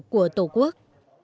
của tổ quốc